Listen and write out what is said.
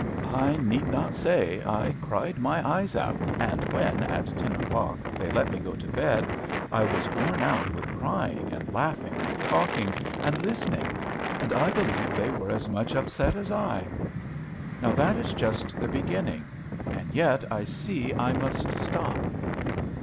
I need not say I cried my eyes out; and when, at ten o'clock, they let me go to bed, I was worn out with crying, and laughing, and talking, and listening; and I believe they were as much upset as I. Now that is just the beginning; and yet I see I must stop.